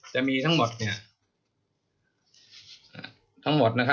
จะมีทั้งหมด